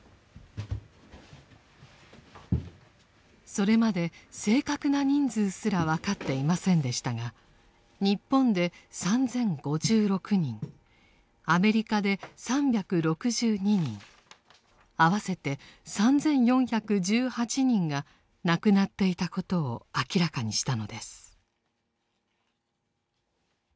それまで正確な人数すら分かっていませんでしたが日本で３０５６人アメリカで３６２人合わせて３４１８人が亡くなっていたことを明らかにしたのです。